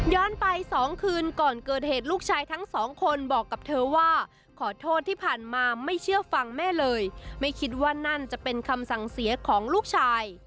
ไปสองคืนก่อนเกิดเหตุลูกชายทั้งสองคนบอกกับเธอว่าขอโทษที่ผ่านมาไม่เชื่อฟังแม่เลยไม่คิดว่านั่นจะเป็นคำสั่งเสียของลูกชาย